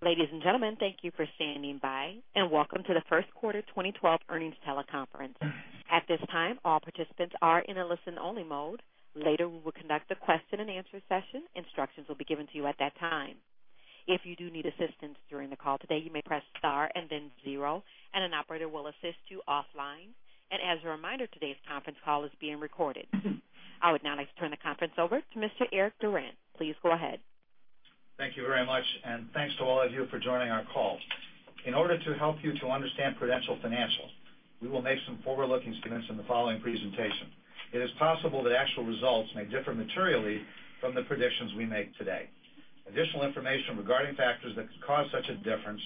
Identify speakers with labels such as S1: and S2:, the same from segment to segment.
S1: Ladies and gentlemen, thank you for standing by, welcome to the first quarter 2012 earnings teleconference. At this time, all participants are in a listen-only mode. Later, we will conduct a question and answer session. Instructions will be given to you at that time. If you do need assistance during the call today, you may press star then zero, an operator will assist you offline. As a reminder, today's conference call is being recorded. I would now like to turn the conference over to Mr. Eric Durant. Please go ahead.
S2: Thank you very much, thanks to all of you for joining our call. In order to help you to understand Prudential Financial, we will make some forward-looking statements in the following presentation. It is possible that actual results may differ materially from the predictions we make today. Additional information regarding factors that could cause such a difference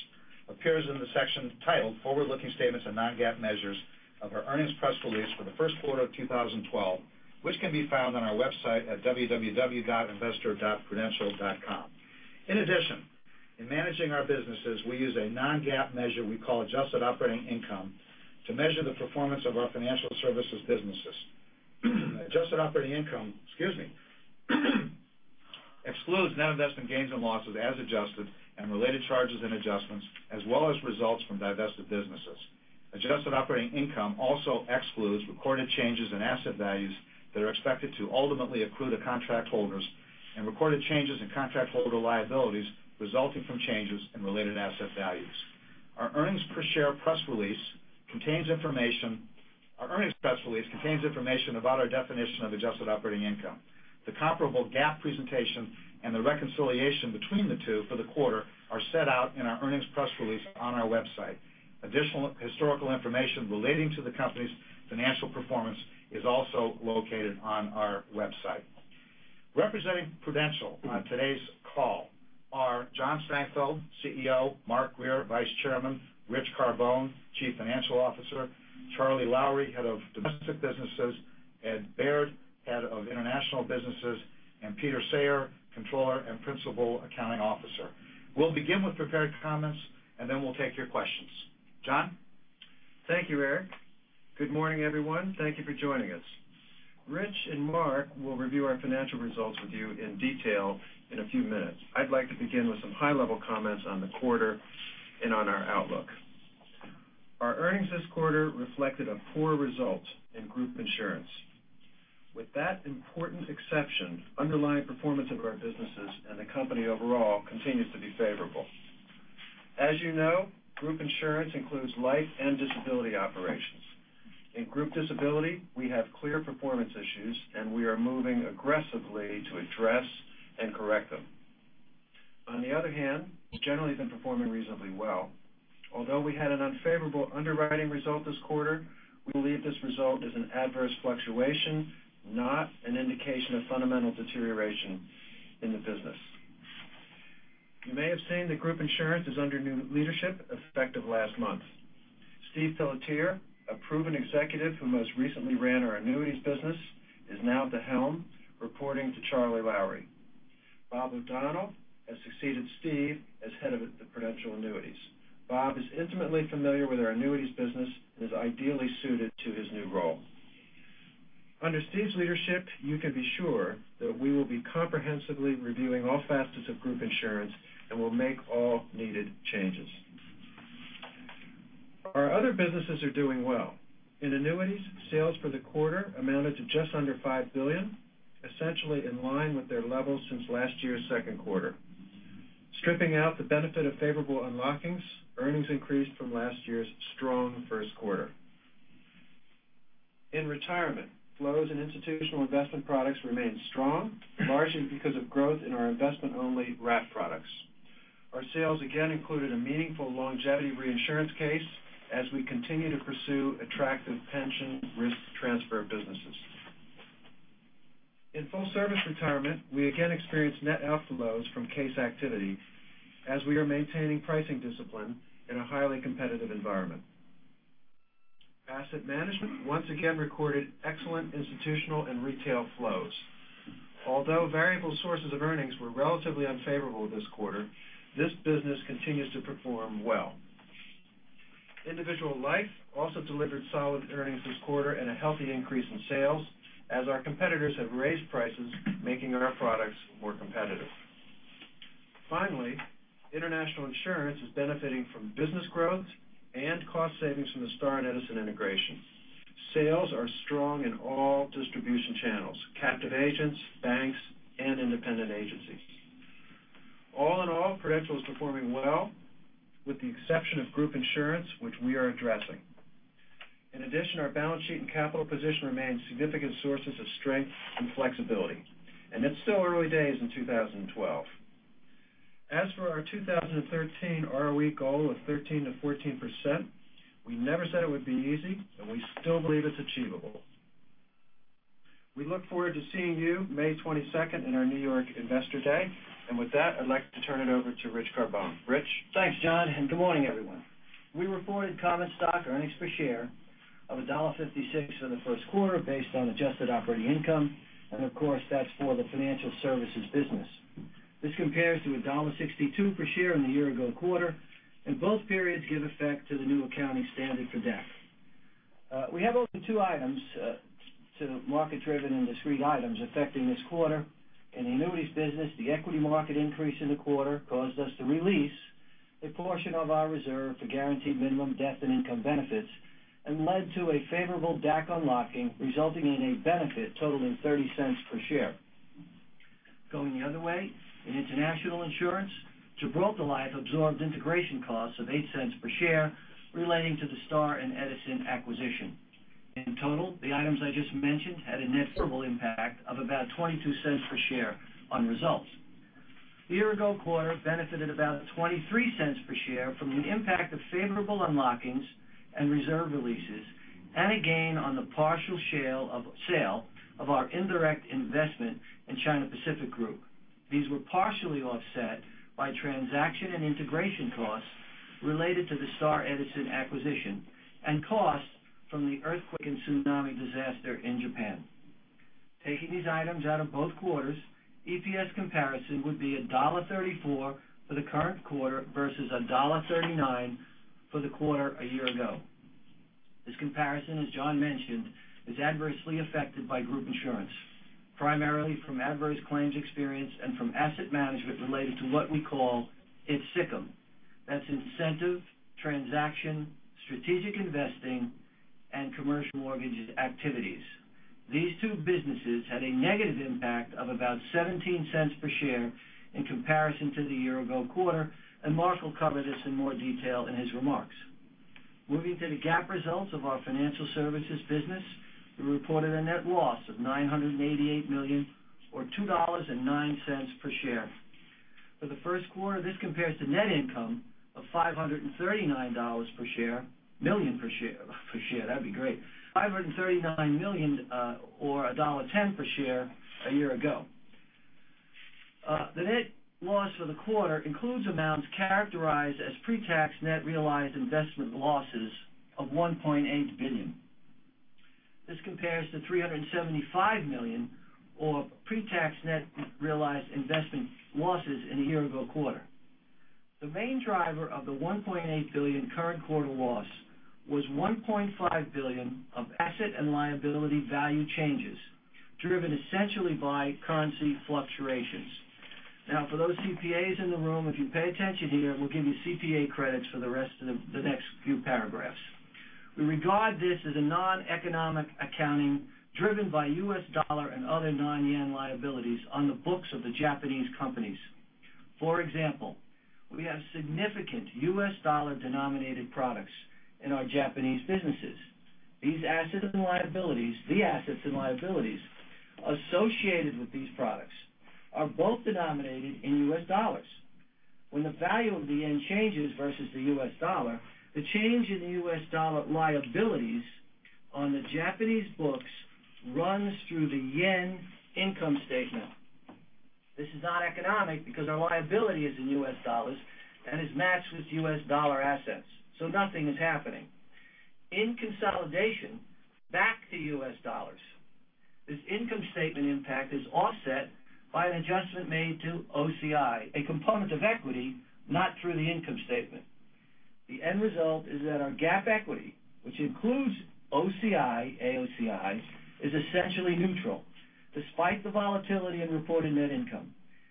S2: appears in the section titled Forward-Looking Statements and Non-GAAP Measures of our earnings press release for the first quarter of 2012, which can be found on our website at www.investor.prudential.com. In addition, in managing our businesses, we use a non-GAAP measure we call adjusted operating income to measure the performance of our financial services businesses. Adjusted operating income, excuse me, excludes net investment gains and losses as adjusted and related charges and adjustments, as well as results from divested businesses. Adjusted operating income also excludes recorded changes in asset values that are expected to ultimately accrue to contract holders and recorded changes in contract holder liabilities resulting from changes in related asset values. Our earnings per share press release contains information about our definition of adjusted operating income. The comparable GAAP presentation and the reconciliation between the two for the quarter are set out in our earnings press release on our website. Additional historical information relating to the company's financial performance is also located on our website. Representing Prudential on today's call are John Strangfeld, CEO, Mark Grier, Vice Chairman, Rich Carbone, Chief Financial Officer, Charlie Lowrey, Head of Domestic Businesses, Ed Baird, Head of International Businesses, and Peter Sayre, Controller and Principal Accounting Officer. We'll begin with prepared comments, then we'll take your questions. John?
S3: Thank you, Eric. Good morning, everyone. Thank you for joining us. Rich and Mark will review our financial results with you in detail in a few minutes. I'd like to begin with some high-level comments on the quarter and on our outlook. Our earnings this quarter reflected a poor result in group insurance. With that important exception, underlying performance of our businesses and the company overall continues to be favorable. As you know, group insurance includes life and disability operations. In group disability, we have clear performance issues, we are moving aggressively to address and correct them. On the other hand, we've generally been performing reasonably well. Although we had an unfavorable underwriting result this quarter, we believe this result is an adverse fluctuation, not an indication of fundamental deterioration in the business. You may have seen that group insurance is under new leadership effective last month. Steve Pelletier, a proven executive who most recently ran our annuities business, is now at the helm reporting to Charlie Lowrey. Bob O'Donnell has succeeded Steve as head of Prudential Annuities. Bob is intimately familiar with our annuities business and is ideally suited to his new role. Under Steve's leadership, you can be sure that we will be comprehensively reviewing all facets of group insurance and will make all needed changes. Our other businesses are doing well. In annuities, sales for the quarter amounted to just under $5 billion, essentially in line with their levels since last year's second quarter. Stripping out the benefit of favorable unlockings, earnings increased from last year's strong first quarter. In retirement, flows in institutional investment products remained strong, largely because of growth in our investment-only wrap products. Our sales again included a meaningful longevity reinsurance case as we continue to pursue attractive pension risk transfer businesses. In full service retirement, we again experienced net outflows from case activity as we are maintaining pricing discipline in a highly competitive environment. Asset management once again recorded excellent institutional and retail flows. Although variable sources of earnings were relatively unfavorable this quarter, this business continues to perform well. Individual life also delivered solid earnings this quarter and a healthy increase in sales as our competitors have raised prices, making our products more competitive. Finally, international insurance is benefiting from business growth and cost savings from the Star and Edison integration. Sales are strong in all distribution channels, captive agents, banks, and independent agencies. All in all, Prudential is performing well with the exception of group insurance, which we are addressing. In addition, our balance sheet and capital position remain significant sources of strength and flexibility, it's still early days in 2012. As for our 2013 ROE goal of 13%-14%, we never said it would be easy, and we still believe it's achievable. We look forward to seeing you May 22nd in our New York Investor Day. With that, I'd like to turn it over to Rich Carbone. Rich?
S2: Thanks, John, good morning, everyone. We reported common stock earnings per share of $1.56 for the first quarter based on adjusted operating income, of course, that's for the financial services business. This compares to $1.62 per share in the year ago quarter, both periods give effect to the new accounting standard for debt.
S4: We have only two market-driven and discrete items affecting this quarter. In the annuities business, the equity market increase in the quarter caused us to release a portion of our reserve to guarantee minimum death and income benefits and led to a favorable DAC unlocking, resulting in a benefit totaling $0.30 per share. Going the other way, in international insurance, Gibraltar Life absorbed integration costs of $0.08 per share relating to the Star and Edison acquisition. In total, the items I just mentioned had a net favorable impact of about $0.22 per share on results. The year-ago quarter benefited about $0.23 per share from the impact of favorable unlockings and reserve releases and a gain on the partial sale of our indirect investment in China Pacific Group. These were partially offset by transaction and integration costs related to the Star and Edison acquisition and costs from the earthquake and tsunami disaster in Japan. Taking these items out of both quarters, EPS comparison would be $1.34 for the current quarter versus $1.39 for the quarter a year ago. This comparison, as John mentioned, is adversely affected by group insurance, primarily from adverse claims experience and from asset management related to what we call ITSICM. That's incentive, transaction, strategic investing, and commercial mortgage activities. These two businesses had a negative impact of about $0.17 per share in comparison to the year-ago quarter, and Mark will cover this in more detail in his remarks. Moving to the GAAP results of our financial services business, we reported a net loss of $988 million, or $2.09 per share. For the first quarter, this compares to net income of $539 million, or $1.10 per share a year ago. The net loss for the quarter includes amounts characterized as pre-tax net realized investment losses of $1.8 billion. This compares to $375 million or pre-tax net realized investment losses in the year-ago quarter. The main driver of the $1.8 billion current quarter loss was $1.5 billion of asset and liability value changes, driven essentially by currency fluctuations. Now, for those CPAs in the room, if you pay attention here, we'll give you CPA credits for the rest of the next few paragraphs. We regard this as a non-economic accounting driven by U.S. dollar and other non-yen liabilities on the books of the Japanese companies. For example, we have significant U.S. dollar-denominated products in our Japanese businesses. The assets and liabilities associated with these products are both denominated in U.S. dollars. When the value of the yen changes versus the U.S. dollar, the change in the U.S. dollar liabilities on the Japanese books runs through the yen income statement. This is not economic because our liability is in U.S. dollars and is matched with U.S. dollar assets, so nothing is happening. In consolidation, back to U.S. dollars, this income statement impact is offset by an adjustment made to OCI, a component of equity, not through the income statement. The end result is that our GAAP equity, which includes OCI, AOCI, is essentially neutral despite the volatility in reported net income.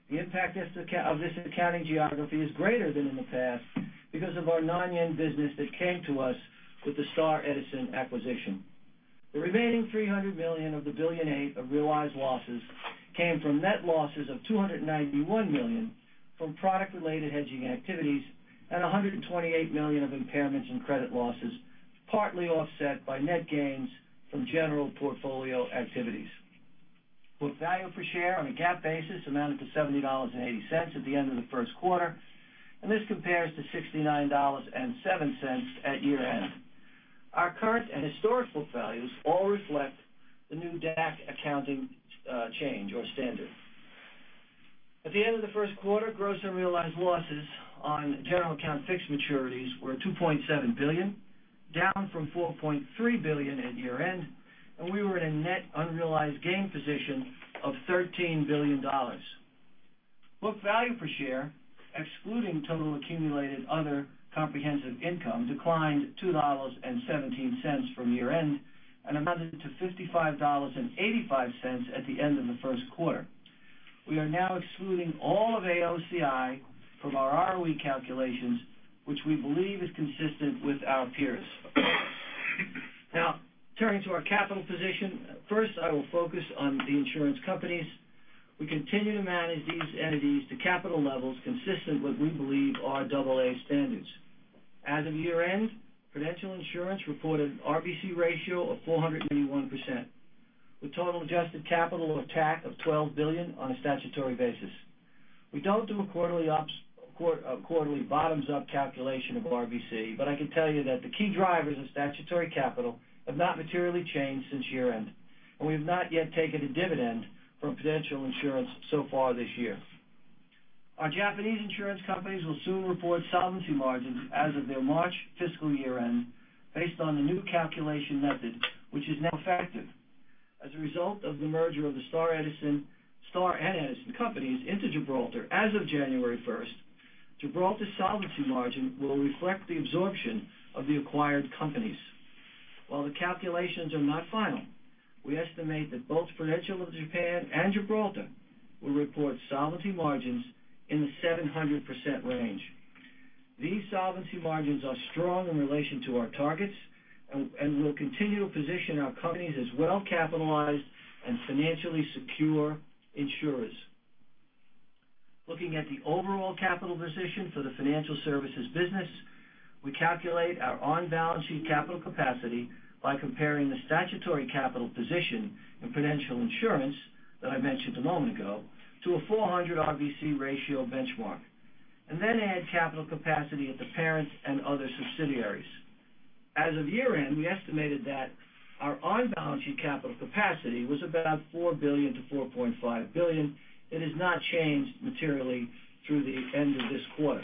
S4: The impact of this accounting geography is greater than in the past because of our non-yen business that came to us with the Star and Edison acquisition. The remaining $300 million of the $1.8 billion of realized losses came from net losses of $291 million from product-related hedging activities and $128 million of impairments and credit losses, partly offset by net gains from general portfolio activities. Book value per share on a GAAP basis amounted to $70.80 at the end of the first quarter, and this compares to $69.07 at year-end. Our current and historical values all reflect the new DAC accounting change or standard. At the end of the first quarter, gross and realized losses on general account fixed maturities were $2.7 billion, down from $4.3 billion at year-end, and we were in a net unrealized gain position of $13 billion. Book value per share, excluding total accumulated other comprehensive income, declined $2.17 from year-end and amounted to $55.85 at the end of the first quarter. Turning to our capital position. First, I will focus on the insurance companies. We continue to manage these entities to capital levels consistent with we believe are AA standards. As of year-end, Prudential Insurance reported an RBC ratio of 481%, with total adjusted capital or TAC of $12 billion on a statutory basis. We don't do a quarterly bottoms-up calculation of RBC. I can tell you that the key drivers of statutory capital have not materially changed since year-end. We have not yet taken a dividend from Prudential Insurance so far this year. Our Japanese insurance companies will soon report solvency margins as of their March fiscal year-end based on the new calculation method, which is now effective. As a result of the merger of the Star and Edison companies into Gibraltar as of January 1st, Gibraltar's solvency margin will reflect the absorption of the acquired companies. While the calculations are not final, we estimate that both Prudential of Japan and Gibraltar will report solvency margins in the 700% range. These solvency margins are strong in relation to our targets and will continue to position our companies as well-capitalized and financially secure insurers. Looking at the overall capital position for the financial services business, we calculate our on-balance sheet capital capacity by comparing the statutory capital position in Prudential Insurance that I mentioned a moment ago to a 400 RBC ratio benchmark. Then add capital capacity at the parent and other subsidiaries. As of year-end, we estimated that our on-balance sheet capital capacity was about $4 billion to $4.5 billion. It has not changed materially through the end of this quarter.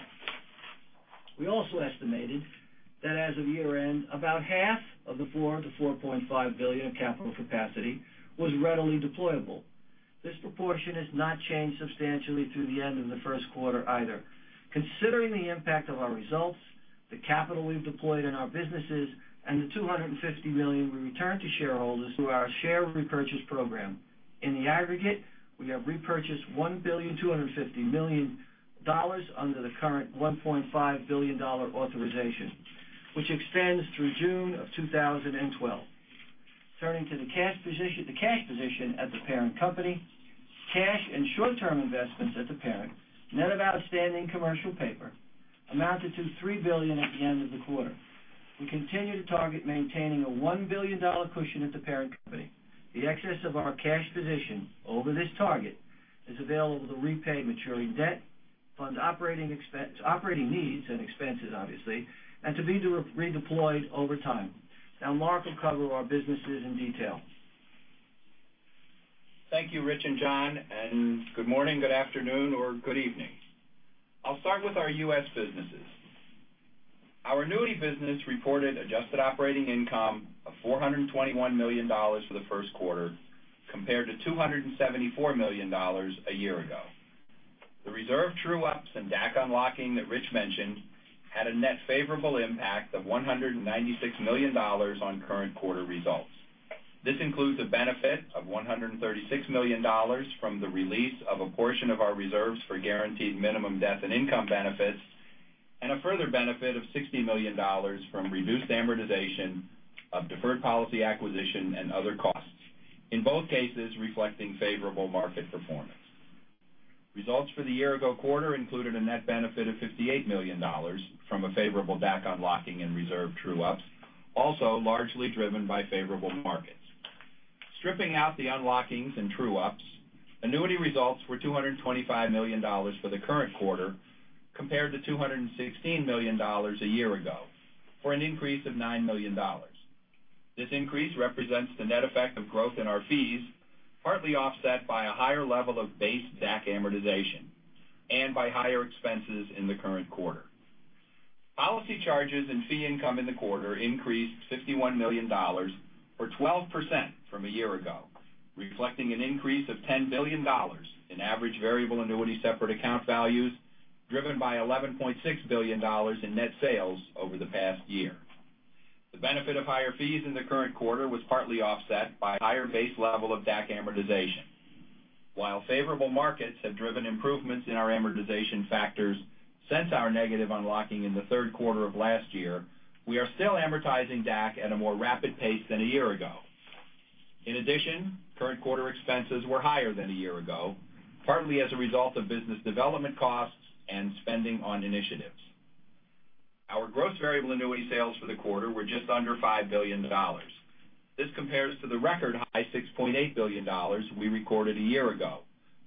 S4: We also estimated that as of year-end, about half of the $4 billion to $4.5 billion of capital capacity was readily deployable. This proportion has not changed substantially through the end of the first quarter either. Considering the impact of our results, the capital we've deployed in our businesses, and the $250 million we returned to shareholders through our share repurchase program. In the aggregate, we have repurchased $1,250,000 under the current $1.5 billion authorization, which extends through June of 2012. Turning to the cash position at the parent company, cash and short-term investments at the parent, net of outstanding commercial paper, amounted to $3 billion at the end of the quarter. We continue to target maintaining a $1 billion cushion at the parent company. The excess of our cash position over this target is available to repay maturing debt, fund operating needs and expenses obviously, and to be redeployed over time. Mark will cover our businesses in detail.
S5: Thank you, Rich and John, and good morning, good afternoon, or good evening. I'll start with our U.S. businesses. Our annuity business reported adjusted operating income of $421 million for the first quarter, compared to $274 million a year ago. The reserve true-ups and DAC unlocking that Rich mentioned, had a net favorable impact of $196 million on current quarter results. This includes a benefit of $136 million from the release of a portion of our reserves for guaranteed minimum death and income benefits, and a further benefit of $60 million from reduced amortization of deferred policy acquisition and other costs. In both cases, reflecting favorable market performance. Results for the year-ago quarter included a net benefit of $58 million from a favorable DAC unlocking and reserve true-ups, also largely driven by favorable markets. Stripping out the unlockings and true-ups, annuity results were $225 million for the current quarter compared to $216 million a year-ago, for an increase of $9 million. This increase represents the net effect of growth in our fees, partly offset by a higher level of base DAC amortization and by higher expenses in the current quarter. Policy charges and fee income in the quarter increased $51 million or 12% from a year-ago, reflecting an increase of $10 billion in average variable annuity separate account values, driven by $11.6 billion in net sales over the past year. The benefit of higher fees in the current quarter was partly offset by a higher base level of DAC amortization. While favorable markets have driven improvements in our amortization factors since our negative unlocking in the third quarter of last year, we are still amortizing DAC at a more rapid pace than a year-ago. In addition, current quarter expenses were higher than a year-ago, partly as a result of business development costs and spending on initiatives. Our gross variable annuity sales for the quarter were just under $5 billion. This compares to the record high $6.8 billion we recorded a year-ago,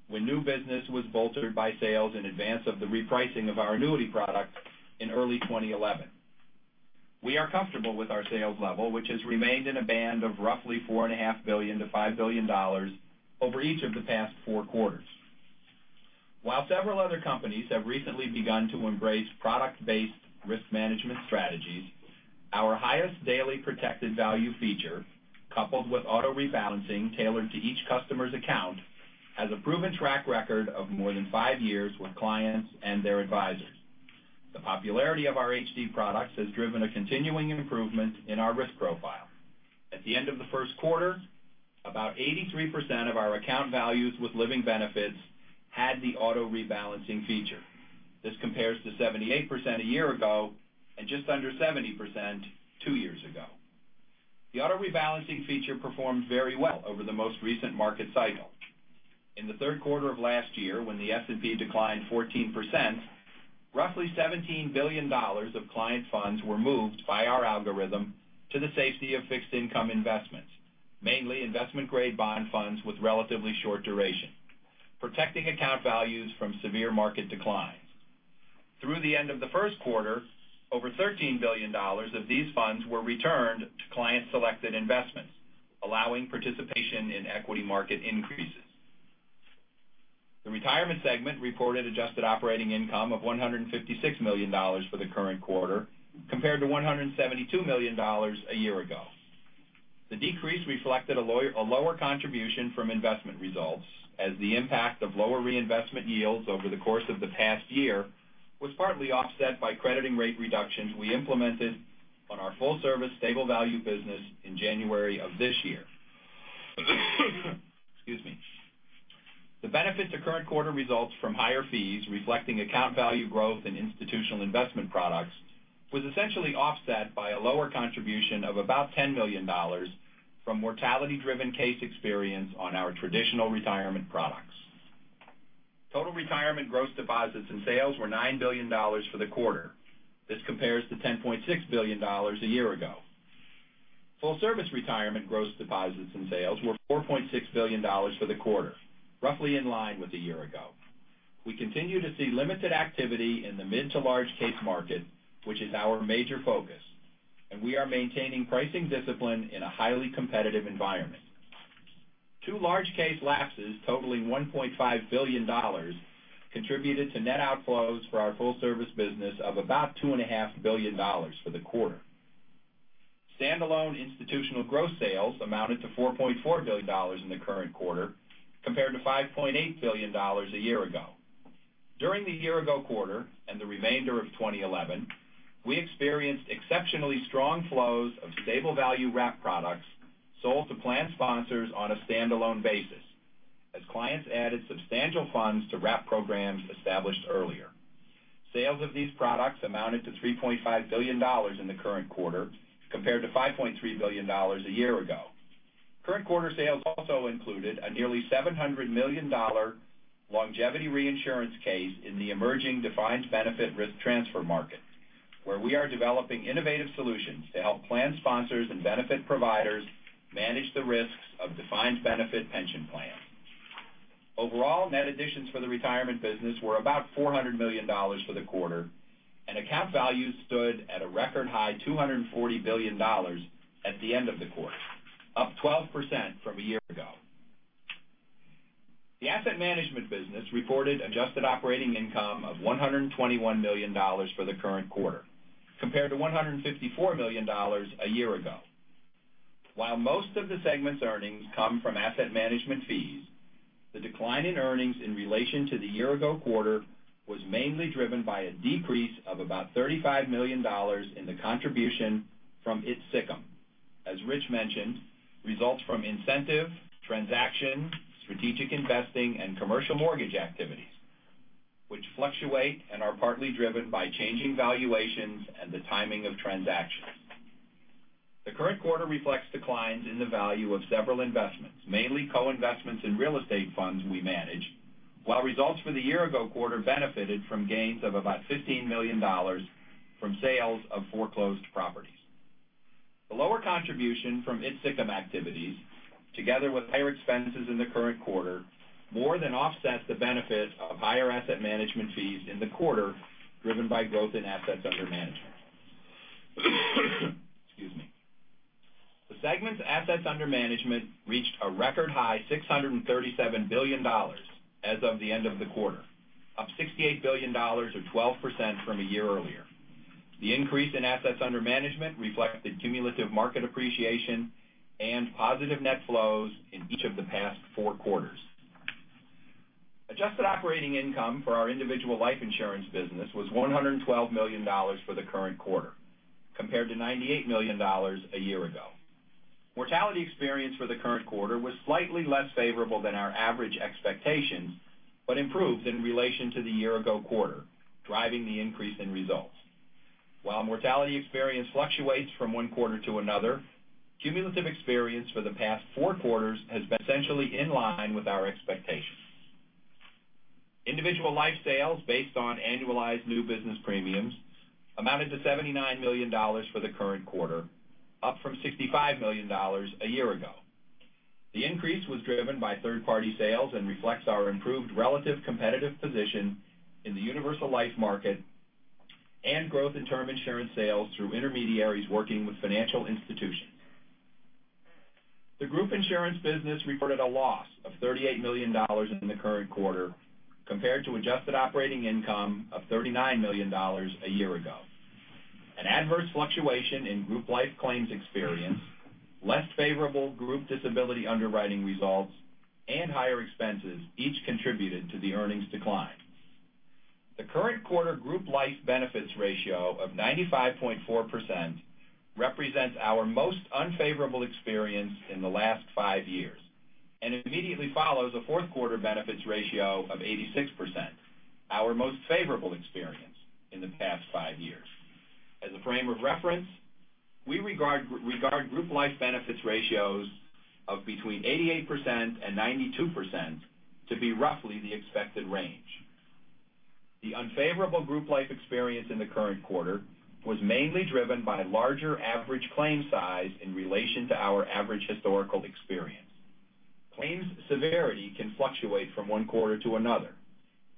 S5: when new business was bolstered by sales in advance of the repricing of our annuity product in early 2011. We are comfortable with our sales level, which has remained in a band of roughly $4.5 billion-$5 billion over each of the past four quarters. While several other companies have recently begun to embrace product-based risk management strategies, our Highest Daily Protected Value feature, coupled with auto rebalancing tailored to each customer's account, has a proven track record of more than five years with clients and their advisors. The popularity of our HD products has driven a continuing improvement in our risk profile. At the end of the first quarter, about 83% of our account values with living benefits had the auto rebalancing feature. This compares to 78% a year ago and just under 70% two years ago. The auto rebalancing feature performed very well over the most recent market cycle. In the third quarter of last year, when the S&P declined 14%, roughly $17 billion of client funds were moved by our algorithm to the safety of fixed income investments, mainly investment-grade bond funds with relatively short duration, protecting account values from severe market declines. Through the end of the first quarter, over $13 billion of these funds were returned to client-selected investments, allowing participation in equity market increases. The retirement segment reported adjusted operating income of $156 million for the current quarter, compared to $172 million a year ago. The decrease reflected a lower contribution from investment results as the impact of lower reinvestment yields over the course of the past year was partly offset by crediting rate reductions we implemented on our full service stable value business in January of this year. Excuse me. The benefit to current quarter results from higher fees reflecting account value growth and institutional investment products, was essentially offset by a lower contribution of about $10 million from mortality driven case experience on our traditional retirement products. Total retirement gross deposits and sales were $9 billion for the quarter. This compares to $10.6 billion a year ago. Full service retirement gross deposits and sales were $4.6 billion for the quarter, roughly in line with a year ago. We continue to see limited activity in the mid to large case market, which is our major focus, we are maintaining pricing discipline in a highly competitive environment. Two large case lapses totaling $1.5 billion contributed to net outflows for our full service business of about $2.5 billion for the quarter. Standalone institutional gross sales amounted to $4.4 billion in the current quarter, compared to $5.8 billion a year ago. During the year ago quarter, the remainder of 2011, we experienced exceptionally strong flows of stable value wrap products sold to plan sponsors on a standalone basis as clients added substantial funds to wrap programs established earlier. Sales of these products amounted to $3.5 billion in the current quarter compared to $5.3 billion a year ago. Current quarter sales also included a nearly $700 million longevity reinsurance case in the emerging defined benefit pension risk transfer market, where we are developing innovative solutions to help plan sponsors and benefit providers manage the risks of defined benefit pension plans. Overall net additions for the retirement business were about $400 million for the quarter, account values stood at a record high $240 billion at the end of the quarter, up 12% from a year ago. The asset management business reported adjusted operating income of $121 million for the current quarter, compared to $154 million a year-ago. While most of the segment's earnings come from asset management fees, the decline in earnings in relation to the year-ago quarter was mainly driven by a decrease of about $35 million in the contribution from ITSICM. As Rich mentioned, results from incentive, transaction, strategic investing and commercial mortgage activities, which fluctuate and are partly driven by changing valuations and the timing of transactions. The current quarter reflects declines in the value of several investments, mainly co-investments in real estate funds we manage, while results for the year-ago quarter benefited from gains of about $15 million from sales of foreclosed properties. The lower contribution from ITSICM activities, together with higher expenses in the current quarter, more than offset the benefit of higher asset management fees in the quarter, driven by growth in assets under management. Excuse me. The segment's assets under management reached a record high $637 billion as of the end of the quarter, up $68 billion or 12% from a year-earlier. The increase in assets under management reflected cumulative market appreciation and positive net flows in each of the past four quarters. Adjusted operating income for our individual life insurance business was $112 million for the current quarter, compared to $98 million a year-ago. Mortality experience for the current quarter was slightly less favorable than our average expectations, but improved in relation to the year-ago quarter, driving the increase in results. While mortality experience fluctuates from one quarter to another, cumulative experience for the past four quarters has been essentially in line with our expectations. Individual life sales based on annualized new business premiums amounted to $79 million for the current quarter, up from $65 million a year-ago. The increase was driven by third-party sales and reflects our improved relative competitive position in the universal life market and growth in term insurance sales through intermediaries working with financial institutions. The group insurance business reported a loss of $38 million in the current quarter compared to adjusted operating income of $39 million a year-ago. An adverse fluctuation in group life claims experience, less favorable group disability underwriting results, and higher expenses, each contributed to the earnings decline. The current quarter group life benefits ratio of 95.4% represents our most unfavorable experience in the last five years and immediately follows a fourth quarter benefits ratio of 86%, our most favorable experience in the past five years. As a frame of reference, we regard group life benefits ratios of between 88% and 92% to be roughly the expected range. The unfavorable group life experience in the current quarter was mainly driven by larger average claim size in relation to our average historical experience. Claims severity can fluctuate from one quarter to another,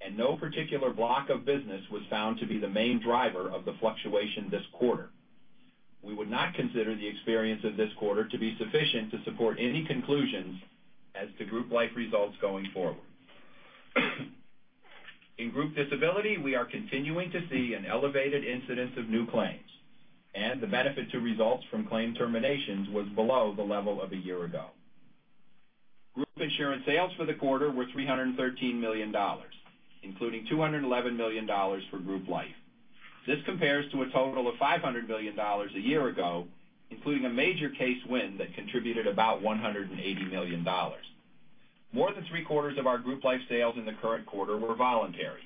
S5: and no particular block of business was found to be the main driver of the fluctuation this quarter. We would not consider the experience of this quarter to be sufficient to support any conclusions as to group life results going forward. In group disability, we are continuing to see an elevated incidence of new claims. The benefit to results from claim terminations was below the level of a year ago. Group insurance sales for the quarter were $313 million, including $211 million for group life. This compares to a total of $500 million a year ago, including a major case win that contributed about $180 million. More than three-quarters of our group life sales in the current quarter were voluntary,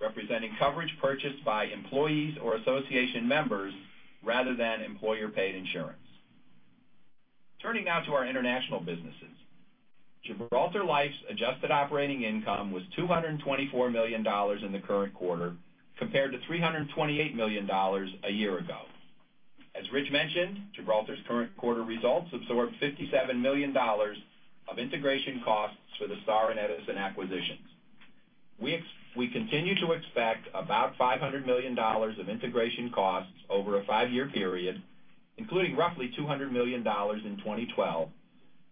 S5: representing coverage purchased by employees or association members rather than employer-paid insurance. Turning now to our international businesses. Gibraltar Life's adjusted operating income was $224 million in the current quarter, compared to $328 million a year ago. As Rich mentioned, Gibraltar's current quarter results absorbed $57 million of integration costs for the Star and Edison acquisitions. We continue to expect about $500 million of integration costs over a five-year period, including roughly $200 million in 2012,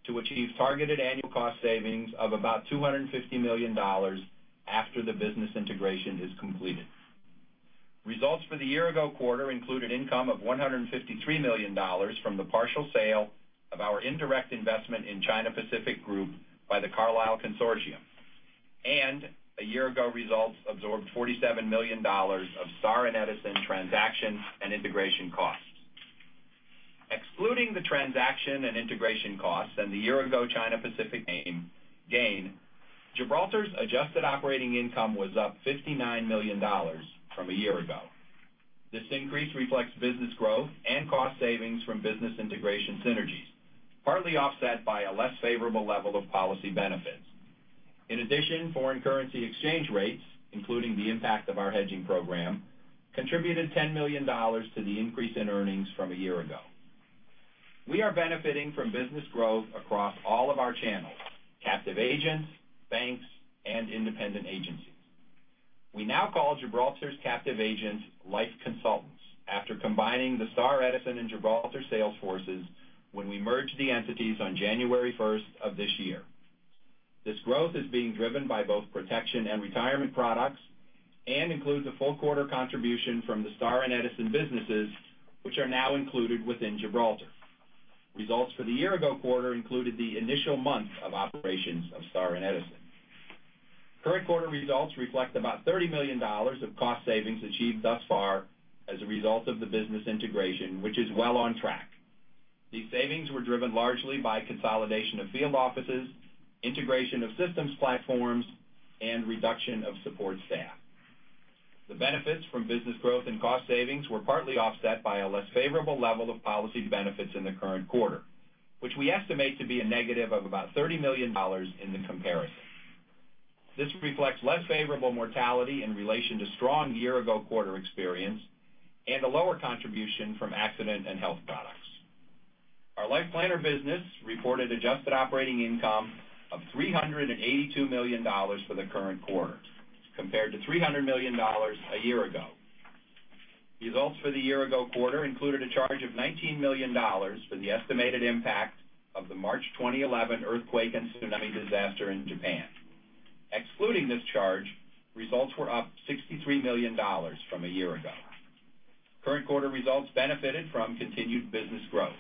S5: to achieve targeted annual cost savings of about $250 million after the business integration is completed. Results for the year ago quarter included income of $153 million from the partial sale of our indirect investment in China Pacific Insurance (Group) Co., Ltd. by The Carlyle Group Consortium. A year ago results absorbed $47 million of Star and Edison transaction and integration costs. Excluding the transaction and integration costs and the year ago China Pacific gain, Gibraltar's adjusted operating income was up $59 million from a year ago. This increase reflects business growth and cost savings from business integration synergies, partly offset by a less favorable level of policy benefits. Foreign currency exchange rates, including the impact of our hedging program, contributed $10 million to the increase in earnings from a year ago. We are benefiting from business growth across all of our channels, captive agents, banks, and independent agencies. We now call Gibraltar's captive agents Life Consultants after combining the Star and Edison and Gibraltar sales forces when we merged the entities on January 1st of this year. This growth is being driven by both protection and retirement products and includes a full quarter contribution from the Star and Edison businesses, which are now included within Gibraltar. Results for the year ago quarter included the initial month of operations of Star and Edison. Current quarter results reflect about $30 million of cost savings achieved thus far as a result of the business integration, which is well on track. These savings were driven largely by consolidation of field offices, integration of systems platforms, and reduction of support staff. The benefits from business growth and cost savings were partly offset by a less favorable level of policy benefits in the current quarter, which we estimate to be a negative of about $30 million in the comparison. This reflects less favorable mortality in relation to strong year ago quarter experience and a lower contribution from accident and health products. Our Life Planner business reported adjusted operating income of $382 million for the current quarter, compared to $300 million a year ago. Results for the year ago quarter included a charge of $19 million for the estimated impact of the March 2011 earthquake and tsunami disaster in Japan. Excluding this charge, results were up $63 million from a year ago. Current quarter results benefited from continued business growth.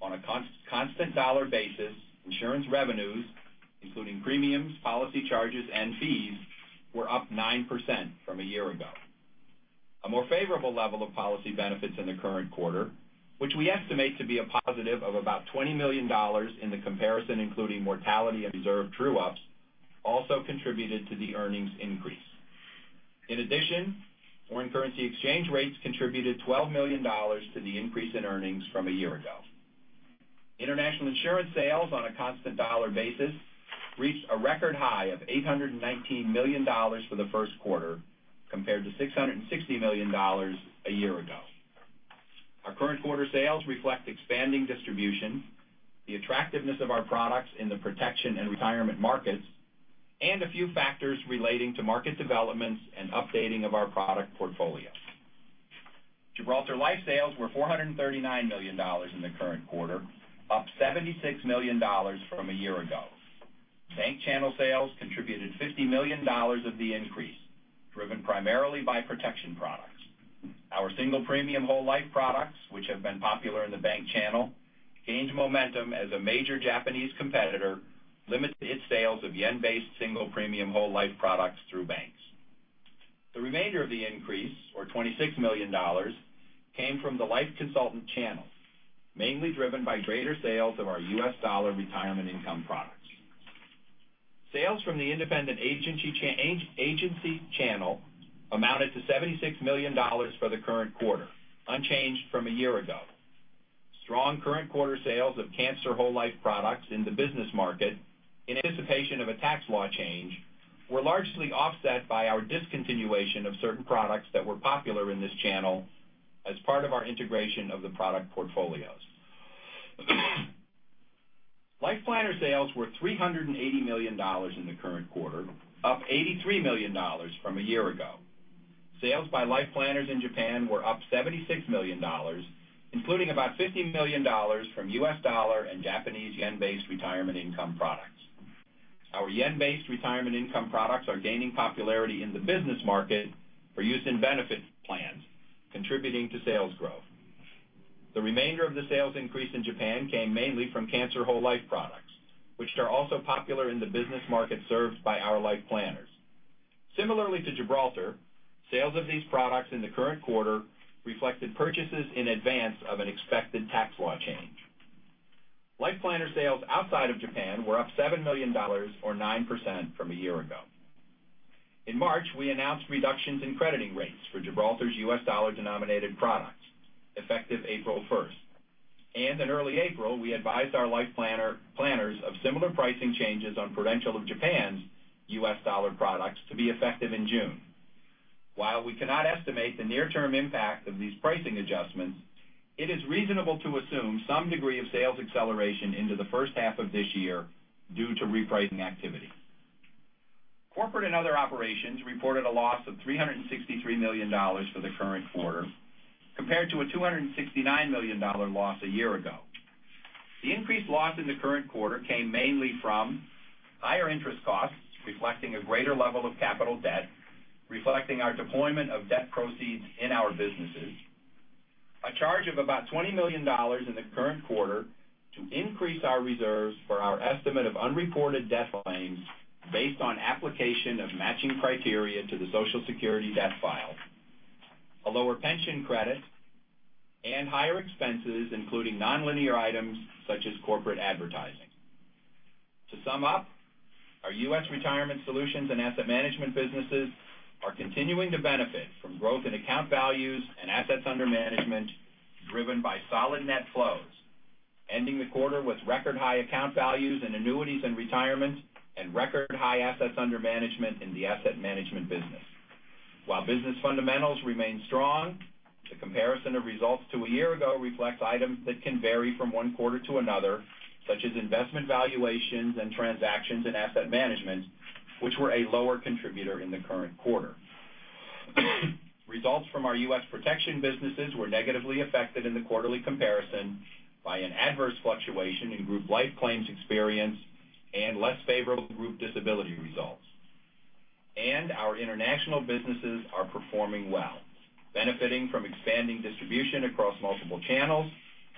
S5: On a constant dollar basis, insurance revenues, including premiums, policy charges, and fees, were up 9% from a year ago. A more favorable level of policy benefits in the current quarter, which we estimate to be a positive of about $20 million in the comparison including mortality and reserve true-ups, also contributed to the earnings increase. In addition, foreign currency exchange rates contributed $12 million to the increase in earnings from a year ago. International insurance sales on a constant dollar basis reached a record high of $819 million for the first quarter, compared to $660 million a year ago. Our current quarter sales reflect expanding distribution, the attractiveness of our products in the protection and retirement markets, and a few factors relating to market developments and updating of our product portfolio. Gibraltar Life sales were $439 million in the current quarter, up $76 million from a year ago. Bank channel sales contributed $50 million of the increase, driven primarily by protection products. Our single premium whole life products, which have been popular in the bank channel, gained momentum as a major Japanese competitor limited its sales of yen-based single premium whole life products through banks. The remainder of the increase, or $26 million, came from the Life Consultant channel, mainly driven by greater sales of our U.S. dollar retirement income products. Sales from the independent agency channel amounted to $76 million for the current quarter, unchanged from a year ago. Strong current quarter sales of cancer whole life products in the business market in anticipation of a tax law change were largely offset by our discontinuation of certain products that were popular in this channel as part of our integration of the product portfolios. Life Planner sales were $380 million in the current quarter, up $83 million from a year ago. Sales by Life Planners in Japan were up $76 million, including about $50 million from U.S. dollar and Japanese yen-based retirement income products. Our yen-based retirement income products are gaining popularity in the business market for use in benefit plans, contributing to sales growth. The remainder of the sales increase in Japan came mainly from cancer whole life products, which are also popular in the business market served by our Life Planners. Similarly to Gibraltar Life, sales of these products in the current quarter reflected purchases in advance of an expected tax law change. Life Planner sales outside of Japan were up $7 million or 9% from a year ago. In March, we announced reductions in crediting rates for Gibraltar Life's U.S. dollar denominated products, effective April 1st, and in early April, we advised our Life Planners of similar pricing changes on Prudential of Japan's U.S. dollar products to be effective in June. While we cannot estimate the near term impact of these pricing adjustments, it is reasonable to assume some degree of sales acceleration into the first half of this year due to repricing activity. Corporate and other operations reported a loss of $363 million for the current quarter, compared to a $269 million loss a year ago. The increased loss in the current quarter came mainly from higher interest costs, reflecting a greater level of capital debt, reflecting our deployment of debt proceeds in our businesses. A charge of about $20 million in the current quarter to increase our reserves for our estimate of unreported death claims based on application of matching criteria to the Social Security death file, a lower pension credit, and higher expenses, including nonlinear items such as corporate advertising. To sum up, our U.S. retirement solutions and asset management businesses are continuing to benefit from growth in account values and assets under management, driven by solid net flows, ending the quarter with record high account values in annuities and retirement, and record high assets under management in the asset management business. While business fundamentals remain strong, the comparison of results to a year ago reflects items that can vary from one quarter to another, such as investment valuations and transactions in asset management, which were a lower contributor in the current quarter. Results from our U.S. protection businesses were negatively affected in the quarterly comparison by an adverse fluctuation in group life claims experience and less favorable group disability results. Our international businesses are performing well, benefiting from expanding distribution across multiple channels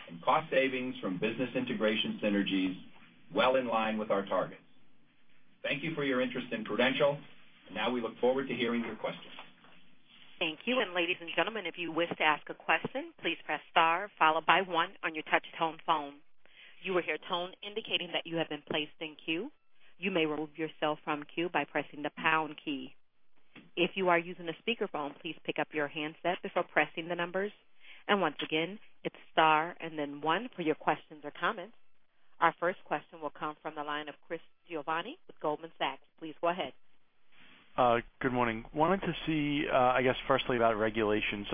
S5: and cost savings from business integration synergies well in line with our targets. Thank you for your interest in Prudential, and now we look forward to hearing your questions.
S1: Thank you. Ladies and gentlemen, if you wish to ask a question, please press star followed by one on your touchtone phone. You will hear a tone indicating that you have been placed in queue. You may remove yourself from queue by pressing the pound key. If you are using a speakerphone, please pick up your handset before pressing the numbers. Once again, it's star and then one for your questions or comments. Our first question will come from the line of Chris Giovanni with Goldman Sachs. Please go ahead.
S6: Good morning. Wanted to see, I guess, firstly, about regulation.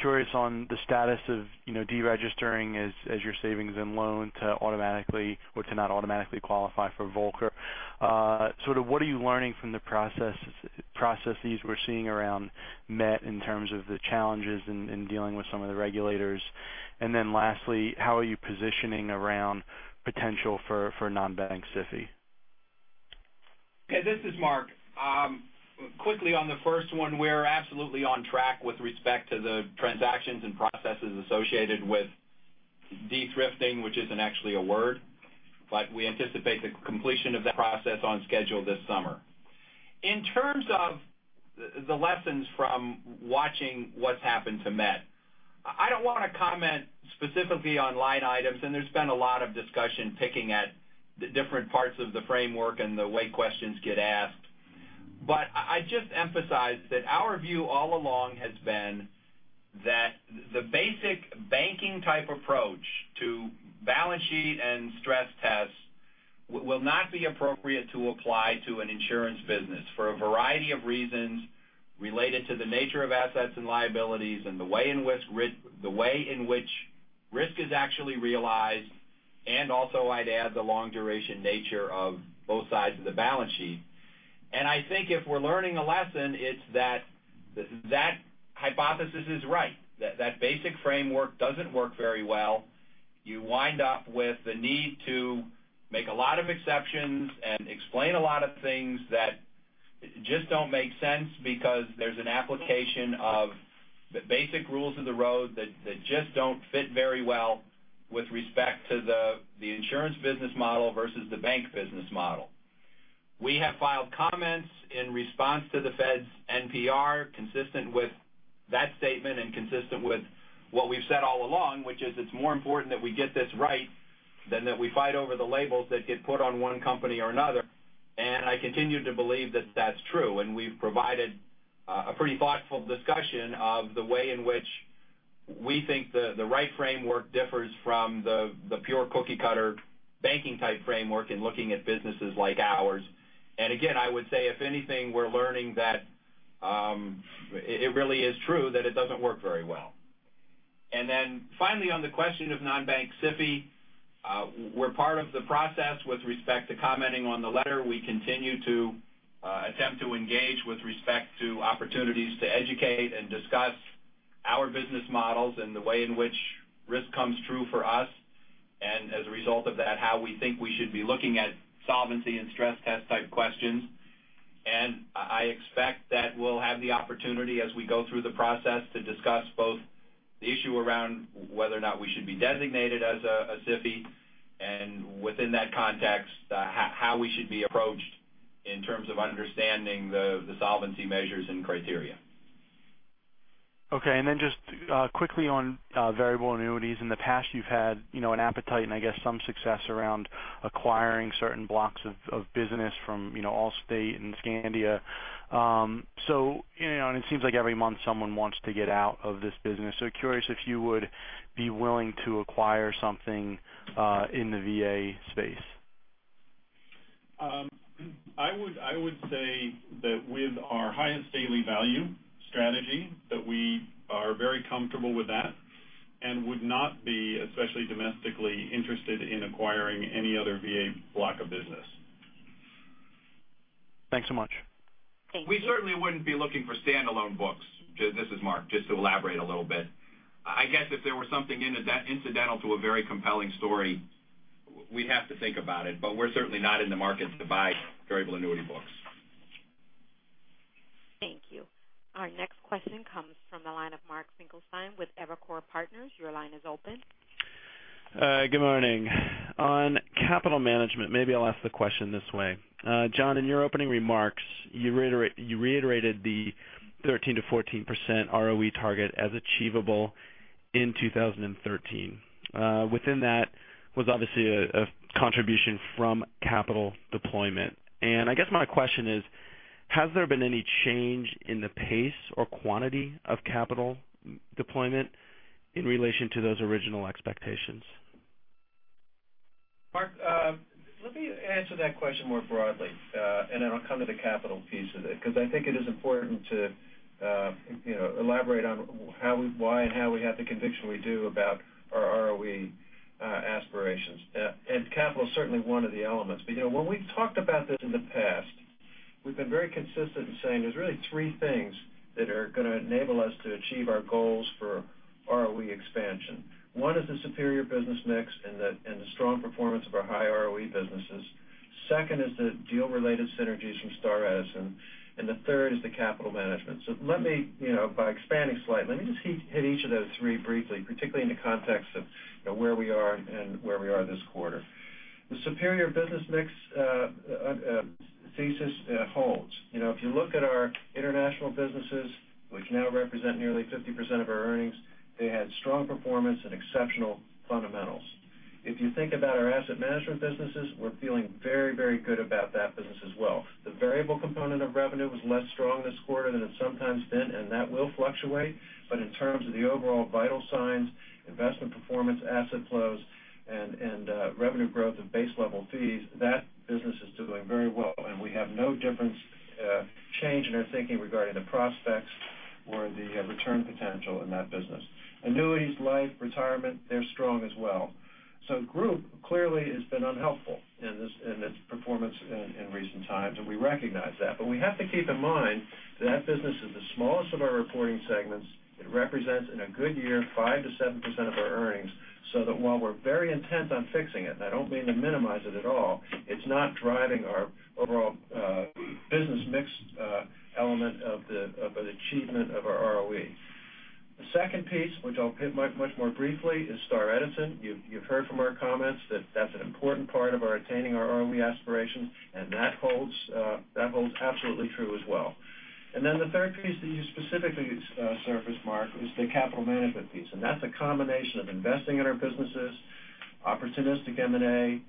S6: In particular, curious on the status of deregistering as your savings and loan to not automatically qualify for Volcker. What are you learning from the processes we're seeing around Met in terms of the challenges in dealing with some of the regulators? Lastly, how are you positioning around potential for non-bank SIFI?
S5: Yeah, this is Mark. Quickly on the first one, we're absolutely on track with respect to the transactions and processes associated with de-thrifting, which isn't actually a word. We anticipate the completion of that process on schedule this summer. In terms of the lessons from watching what's happened to MetLife, I don't want to comment specifically on line items, and there's been a lot of discussion picking at the different parts of the framework and the way questions get asked. I just emphasize that our view all along has been that the basic banking type approach to balance sheet and stress tests will not be appropriate to apply to an insurance business for a variety of reasons related to the nature of assets and liabilities and the way in which risk is actually realized, and also I'd add the long duration nature of both sides of the balance sheet. I think if we're learning a lesson, it's that hypothesis is right, that basic framework doesn't work very well. You wind up with the need to make a lot of exceptions and explain a lot of things that just don't make sense because there's an application of the basic rules of the road that just don't fit very well with respect to the insurance business model versus the bank business model. We have filed comments in response to the Fed's NPR consistent with that statement and consistent with what we've said all along, which is it's more important that we get this right than that we fight over the labels that get put on one company or another. I continue to believe that that's true. We've provided a pretty thoughtful discussion of the way in which we think the right framework differs from the pure cookie cutter banking type framework in looking at businesses like ours. Again, I would say if anything, we're learning that It really is true that it doesn't work very well. Finally, on the question of non-bank SIFI, we're part of the process with respect to commenting on the letter. We continue to attempt to engage with respect to opportunities to educate and discuss our business models and the way in which risk comes true for us, and as a result of that, how we think we should be looking at solvency and stress test type questions. I expect that we'll have the opportunity as we go through the process to discuss both the issue around whether or not we should be designated as a SIFI, and within that context, how we should be approached in terms of understanding the solvency measures and criteria.
S6: Okay, just quickly on variable annuities. In the past, you've had an appetite and I guess some success around acquiring certain blocks of business from Allstate and Skandia. It seems like every month someone wants to get out of this business. Curious if you would be willing to acquire something in the VA space.
S3: I would say that with our Highest Daily value strategy, that we are very comfortable with that and would not be especially domestically interested in acquiring any other VA block of business.
S6: Thanks so much.
S5: We certainly wouldn't be looking for standalone books. This is Mark. Just to elaborate a little bit. I guess if there was something incidental to a very compelling story, we'd have to think about it, we're certainly not in the market to buy variable annuity books.
S1: Thank you. Our next question comes from the line of Mark Finkelstein with Evercore Partners. Your line is open.
S7: Good morning. On capital management, maybe I'll ask the question this way. John, in your opening remarks, you reiterated the 13%-14% ROE target as achievable in 2013. Within that was obviously a contribution from capital deployment. I guess my question is, has there been any change in the pace or quantity of capital deployment in relation to those original expectations?
S3: Mark, let me answer that question more broadly, then I'll come to the capital piece of it, because I think it is important to elaborate on why and how we have the conviction we do about our ROE aspirations. Capital is certainly one of the elements. When we've talked about this in the past, we've been very consistent in saying there's really three things that are going to enable us to achieve our goals for ROE expansion. One is the superior business mix and the strong performance of our high ROE businesses. Second is the deal-related synergies from Star and Edison, and the third is the capital management. Let me, by expanding slightly, let me just hit each of those three briefly, particularly in the context of where we are and where we are this quarter. The superior business mix thesis holds. If you look at our international businesses, which now represent nearly 50% of our earnings, they had strong performance and exceptional fundamentals. If you think about our asset management businesses, we're feeling very good about that business as well. The variable component of revenue was less strong this quarter than it's sometimes been, and that will fluctuate. In terms of the overall vital signs, investment performance, asset flows, and revenue growth of base level fees, that business is doing very well, and we have no difference change in our thinking regarding the prospects or the return potential in that business. Annuities, life, retirement, they're strong as well. Group clearly has been unhelpful in its performance in recent times, and we recognize that. We have to keep in mind that business is the smallest of our reporting segments. It represents, in a good year, 5%-7% of our earnings. While we're very intent on fixing it, and I don't mean to minimize it at all, it's not driving our overall business mix element of the achievement of our ROE. The second piece, which I'll hit much more briefly, is Star and Edison. You've heard from our comments that that's an important part of our attaining our ROE aspiration, and that holds absolutely true as well. The third piece that you specifically surfaced, Mark, is the capital management piece, and that's a combination of investing in our businesses, opportunistic M&A,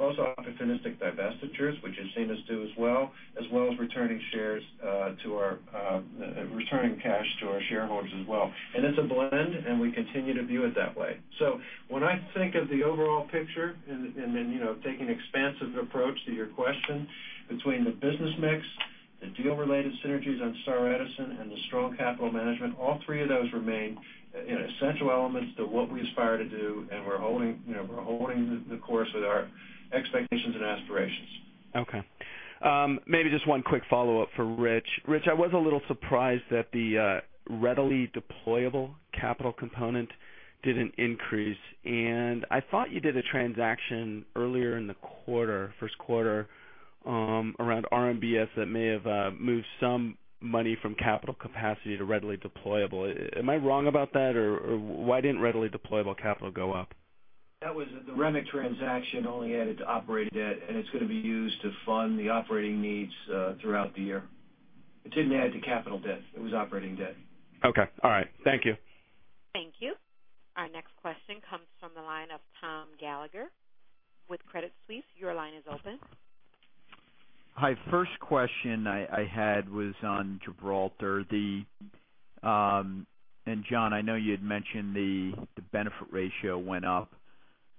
S3: also opportunistic divestitures, which you've seen us do as well, as well as returning cash to our shareholders as well. It's a blend, and we continue to view it that way. When I think of the overall picture then taking an expansive approach to your question between the business mix, the deal-related synergies on Star and Edison, and the strong capital management, all three of those remain essential elements to what we aspire to do, and we're holding the course with our expectations and aspirations.
S7: Okay. Maybe just one quick follow-up for Rich. Rich, I was a little surprised that the readily deployable capital component didn't increase, and I thought you did a transaction earlier in the first quarter around RMBS that may have moved some money from capital capacity to readily deployable. Am I wrong about that, or why didn't readily deployable capital go up?
S4: That was the REMIC transaction only added to operating debt, it's going to be used to fund the operating needs throughout the year. It didn't add to capital debt. It was operating debt.
S7: Okay. All right. Thank you.
S1: Thank you. Our next question comes from the line of Thomas Gallagher with Credit Suisse. Your line is open.
S8: Hi. First question I had was on Gibraltar. John, I know you had mentioned the benefit ratio went up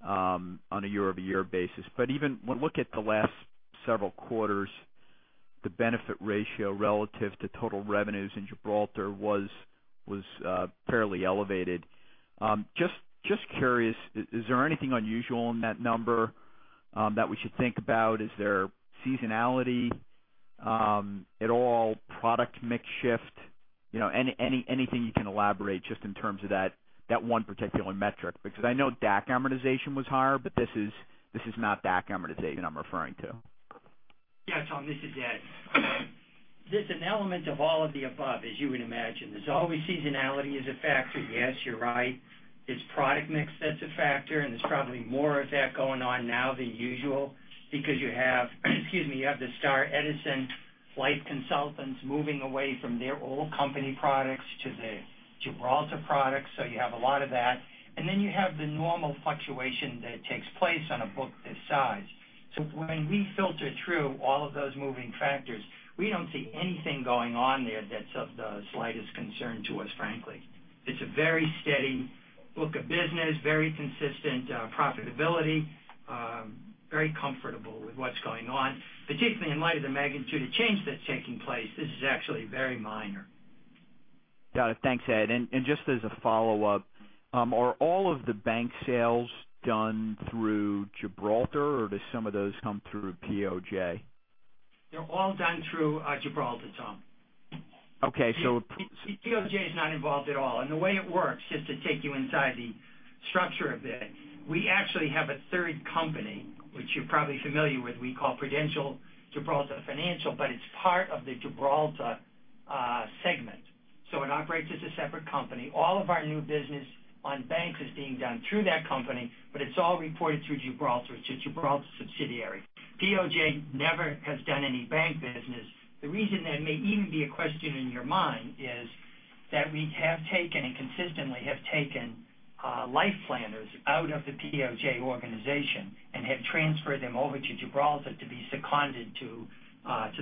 S8: on a year-over-year basis. Even when we look at the last several quarters, the benefit ratio relative to total revenues in Gibraltar was fairly elevated. Just curious, is there anything unusual in that number that we should think about? Is there seasonality at all, product mix shift? Anything you can elaborate just in terms of that one particular metric, because I know DAC amortization was higher, but this is not DAC amortization I'm referring to.
S9: Tom, this is Ed. There's an element of all of the above, as you would imagine. There's always seasonality as a factor. Yes, you're right. It's product mix that's a factor, and there's probably more of that going on now than usual because you have the Star and Edison Life Consultants moving away from their old company products to the Gibraltar products. You have a lot of that, and then you have the normal fluctuation that takes place on a book this size. When we filter through all of those moving factors, we don't see anything going on there that's of the slightest concern to us, frankly. It's a very steady book of business, very consistent profitability, very comfortable with what's going on, particularly in light of the magnitude of change that's taking place. This is actually very minor.
S8: Got it. Thanks, Ed. Just as a follow-up, are all of the bank sales done through Gibraltar, or do some of those come through POJ?
S9: They're all done through Gibraltar, Tom.
S8: Okay.
S9: POJ is not involved at all. The way it works, just to take you inside the structure of it, we actually have a third company, which you're probably familiar with, we call Prudential Gibraltar Financial, but it's part of the Gibraltar segment, so it operates as a separate company. All of our new business on banks is being done through that company, but it's all reported through Gibraltar. It's a Gibraltar subsidiary. POJ never has done any bank business. The reason that it may even be a question in your mind is that we have taken, and consistently have taken, Life Planners out of the POJ organization and have transferred them over to Gibraltar to be seconded to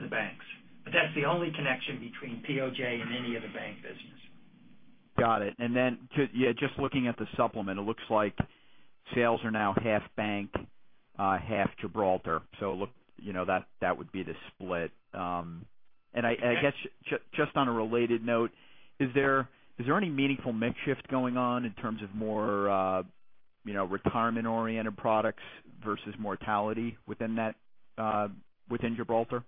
S9: the banks. That's the only connection between POJ and any of the bank business.
S8: Got it. Just looking at the supplement, it looks like sales are now half bank, half Gibraltar. That would be the split. I guess just on a related note, is there any meaningful mix shift going on in terms of more retirement-oriented products versus mortality within Gibraltar?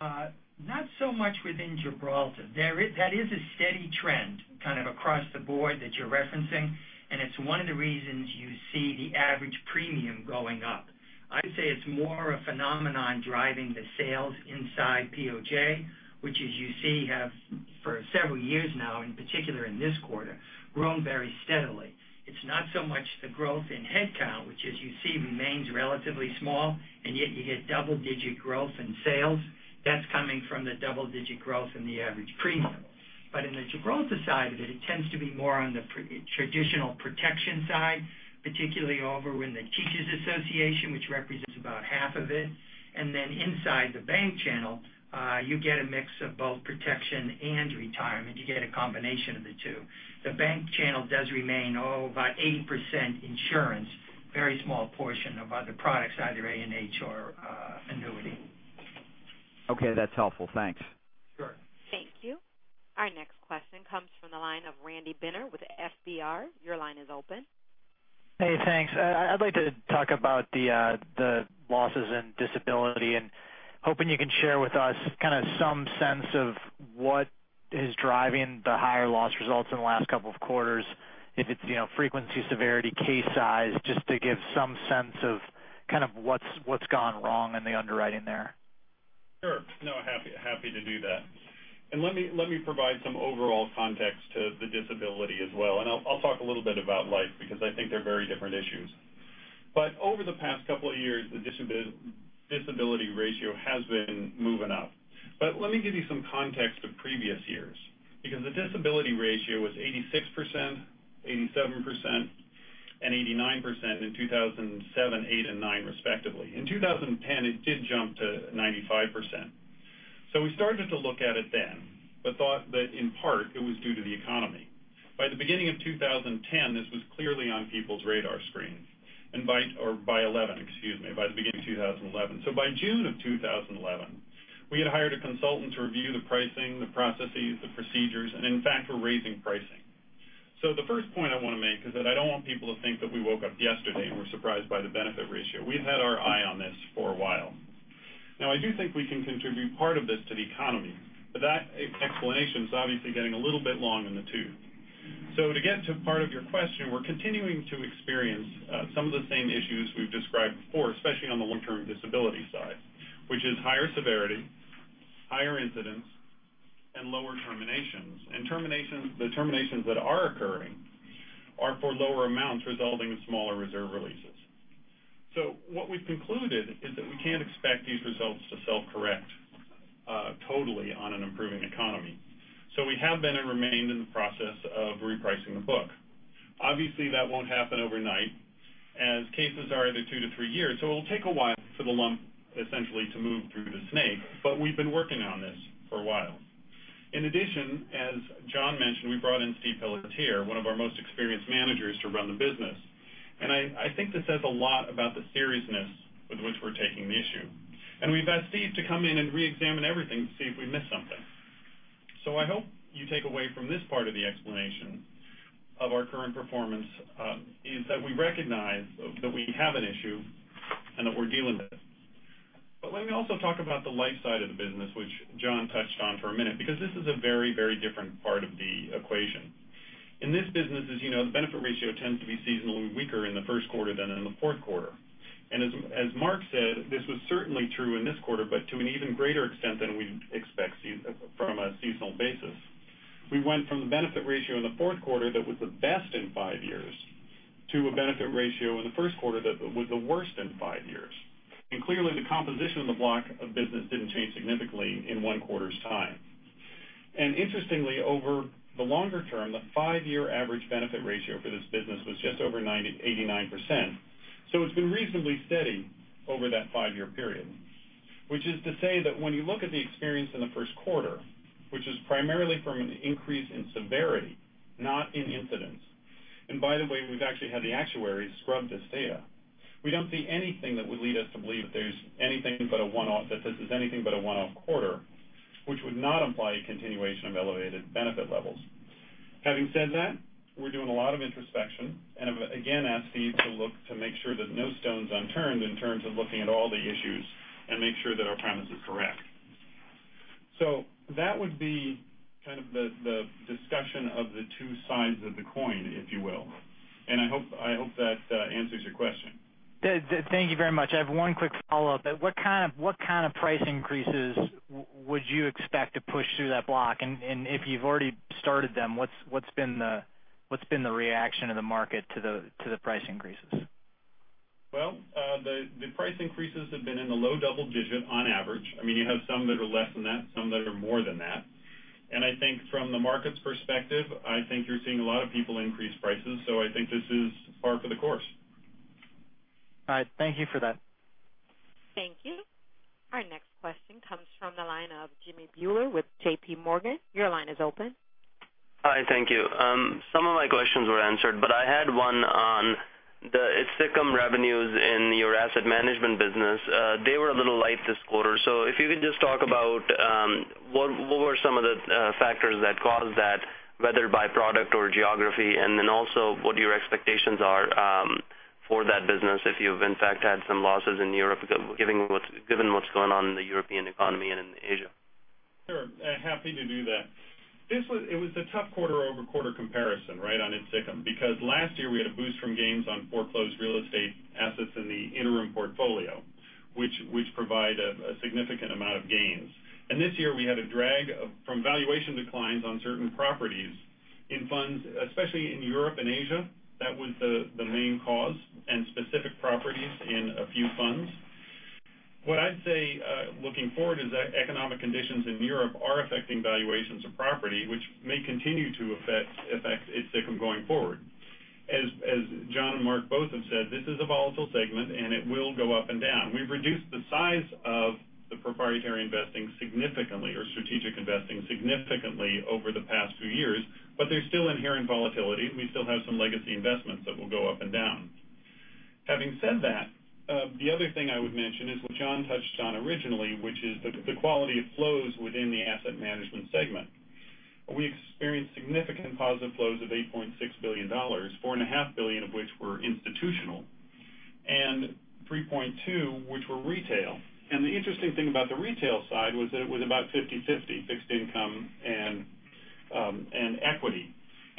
S9: Not so much within Gibraltar. That is a steady trend kind of across the board that you're referencing, and it's one of the reasons you see the average premium going up. I'd say it's more a phenomenon driving the sales inside POJ, which as you see, have for several years now, in particular in this quarter, grown very steadily. It's not so much the growth in headcount, which as you see remains relatively small, yet you hit double digit growth in sales. That's coming from the double digit growth in the average premium. In the Gibraltar side of it tends to be more on the traditional protection side, particularly over in the Teachers Association, which represents about half of it. Inside the bank channel, you get a mix of both protection and retirement. You get a combination of the two. The bank channel does remain about 80% insurance, very small portion of other products, either A&H or annuity.
S8: Okay, that's helpful. Thanks.
S9: Sure.
S1: Thank you. Our next question comes from the line of Randy Binner with FBR. Your line is open.
S10: Hey, thanks. I'd like to talk about the losses in disability and hoping you can share with us kind of some sense of what is driving the higher loss results in the last couple of quarters, if it's frequency, severity, case size, just to give some sense of kind of what's gone wrong in the underwriting there.
S11: Sure. No, happy to do that. Let me provide some overall context to the disability as well, and I'll talk a little bit about life because I think they're very different issues. Over the past couple of years, the disability ratio has been moving up. Let me give you some context of previous years, because the disability ratio was 86%, 87%, and 89% in 2007, 2008, and 2009 respectively. In 2010, it did jump to 95%. We started to look at it then, but thought that in part it was due to the economy. By the beginning of 2010, this was clearly on people's radar screens, or by 2011, excuse me, by the beginning of 2011. By June of 2011, we had hired a consultant to review the pricing, the processes, the procedures, and in fact, we're raising pricing. The first point I want to make is that I don't want people to think that we woke up yesterday and were surprised by the benefit ratio. We've had our eye on this for a while. Now, I do think we can contribute part of this to the economy, but that explanation is obviously getting a little bit long in the tooth. To get to part of your question, we're continuing to experience some of the same issues we've described before, especially on the long-term disability side, which is higher severity, higher incidence, and lower terminations. The terminations that are occurring are for lower amounts, resulting in smaller reserve releases. What we've concluded is that we can't expect these results to self-correct totally on an improving economy. We have been and remained in the process of repricing the book. Obviously, that won't happen overnight as cases are either 2-3 years. It'll take a while for the lump essentially to move through the snake, but we've been working on this for a while. In addition, as John mentioned, we brought in Stephen Pelletier, one of our most experienced managers, to run the business. I think this says a lot about the seriousness with which we're taking the issue. We've asked Steve to come in and reexamine everything to see if we missed something. I hope you take away from this part of the explanation of our current performance is that we recognize that we have an issue and that we're dealing with it. Let me also talk about the life side of the business, which John touched on for a minute, because this is a very different part of the equation. In this business, as you know, the benefit ratio tends to be seasonally weaker in the first quarter than in the fourth quarter. As Mark said, this was certainly true in this quarter, but to an even greater extent than we expect from a seasonal basis. We went from the benefit ratio in the fourth quarter that was the best in five years, to a benefit ratio in the first quarter that was the worst in five years. Clearly the composition of the block of business didn't change significantly in one quarter's time. Interestingly, over the longer term, the five-year average benefit ratio for this business was just over 89%. It's been reasonably steady over that five-year period, which is to say that when you look at the experience in the first quarter, which is primarily from an increase in severity, not in incidence. By the way, we've actually had the actuaries scrub this data. We don't see anything that would lead us to believe that this is anything but a one-off quarter, which would not imply a continuation of elevated benefit levels. Having said that, we're doing a lot of introspection and have again asked Steve to look to make sure that no stone's unturned in terms of looking at all the issues and make sure that our premise is correct. That would be kind of the discussion of the two sides of the coin, if you will. I hope that answers your question.
S10: Thank you very much. I have one quick follow-up. What kind of price increases would you expect to push through that block? If you've already started them, what's been the reaction of the market to the price increases?
S11: Well, the price increases have been in the low double digit on average. You have some that are less than that, some that are more than that. I think from the market's perspective, I think you're seeing a lot of people increase prices. I think this is par for the course.
S10: All right. Thank you for that.
S1: Thank you. Our next question comes from the line of Jimmy Bhullar with JP Morgan. Your line is open.
S12: Hi, thank you. Some of my questions were answered, but I had one on the ITSICM revenues in your asset management business. They were a little light this quarter. If you could just talk about what were some of the factors that caused that, whether by product or geography, and then also what your expectations are for that business if you've in fact had some losses in Europe, given what's going on in the European economy and in Asia.
S11: Sure. Happy to do that. It was a tough quarter-over-quarter comparison on ITSICM, because last year we had a boost from gains on foreclosed real estate assets in the interim portfolio, which provide a significant amount of gains. This year, we had a drag from valuation declines on certain properties in funds, especially in Europe and Asia. That was the main cause and specific properties in a few funds. What I'd say, looking forward, is that economic conditions in Europe are affecting valuations of property, which may continue to affect ITSICM going forward. As John and Mark both have said, this is a volatile segment and it will go up and down. We've reduced the size of the proprietary investing significantly, or strategic investing significantly over the past few years, there's still inherent volatility, and we still have some legacy investments that will go up and down. Having said that, the other thing I would mention is what John touched on originally, which is the quality of flows within the asset management segment. We experienced significant positive flows of $8.6 billion, $4.5 billion of which were institutional, and $3.2 billion which were retail. The interesting thing about the retail side was that it was about 50/50, fixed income and equity.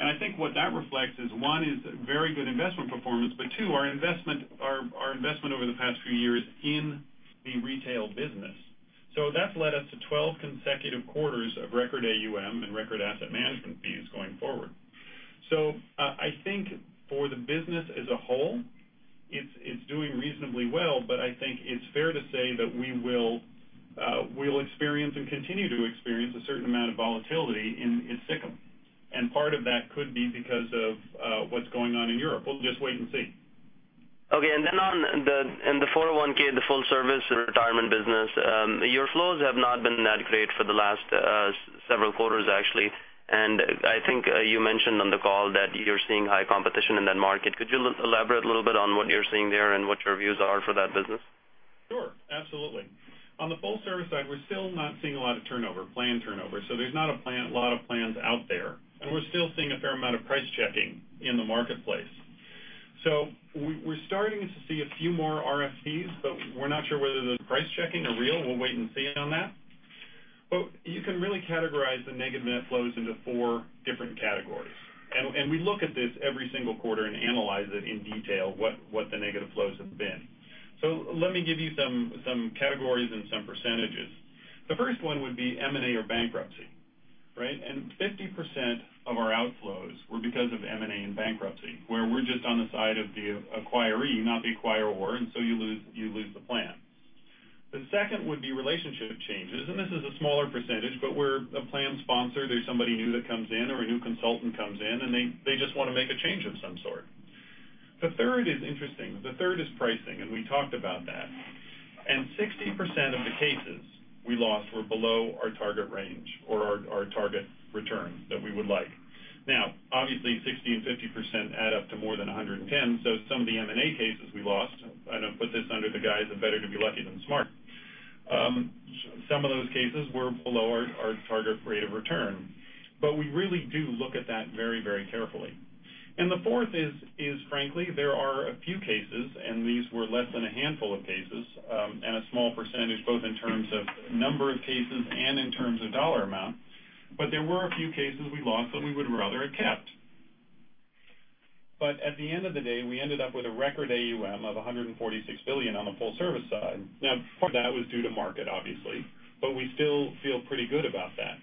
S11: I think what that reflects is, one, is very good investment performance, but two, our investment over the past few years in the retail business. That's led us to 12 consecutive quarters of record AUM and record asset management fees going forward. I think for the business as a whole, it's doing reasonably well, I think it's fair to say that we'll experience and continue to experience a certain amount of volatility in ITSICM. Part of that could be because of what's going on in Europe. We'll just wait and see.
S12: Okay. Then on the 401(k), the full service retirement business, your flows have not been that great for the last several quarters, actually. I think you mentioned on the call that you're seeing high competition in that market. Could you elaborate a little bit on what you're seeing there and what your views are for that business?
S11: Sure, absolutely. On the full service side, we're still not seeing a lot of turnover, plan turnover. There's not a lot of plans out there, and we're still seeing a fair amount of price checking in the marketplace. We're starting to see a few more RFPs, but we're not sure whether the price checking are real. We'll wait and see on that. You can really categorize the negative net flows into four different categories. We look at this every single quarter and analyze it in detail what the negative flows have been. Let me give you some categories and some percentages. The first one would be M&A or bankruptcy. 50% of our outflows were because of M&A and bankruptcy, where we're just on the side of the acquiree, not the acquirer, and so you lose the plan. The second would be relationship changes, this is a smaller percentage, but where a plan sponsor, there's somebody new that comes in or a new consultant comes in, and they just want to make a change of some sort. The third is interesting. The third is pricing, and we talked about that. 60% of the cases we lost were below our target range or our target return that we would like. 60% and 50% add up to more than 110%, some of the M&A cases we lost, and I put this under the guise of better to be lucky than smart. Some of those cases were below our target rate of return. We really do look at that very carefully. The fourth is, frankly, there are a few cases, these were less than a handful of cases, a small percentage, both in terms of number of cases and in terms of dollar amount, but there were a few cases we lost that we would rather have kept. At the end of the day, we ended up with a record AUM of $146 billion on the full service side. Part of that was due to market, we still feel pretty good about that.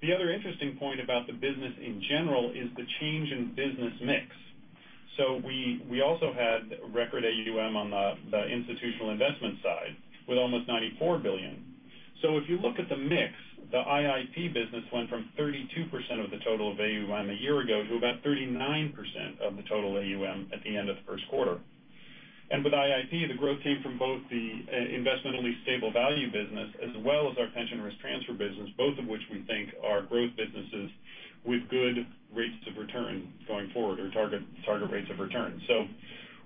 S11: The other interesting point about the business in general is the change in business mix. We also had record AUM on the institutional investment side with almost $94 billion. If you look at the mix, the IIP business went from 32% of the total of AUM a year ago to about 39% of the total AUM at the end of first quarter. With IIP, the growth came from both the investment-only stable value business as well as our pension risk transfer business, both of which we think are growth businesses with good rates of return going forward or target rates of return.